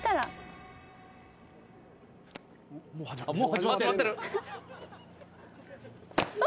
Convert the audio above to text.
もう始まってる。